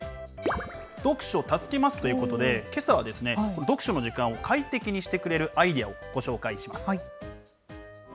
読書助けますということで、けさは読書の時間を快適にしてくれるアイデアをご紹介します。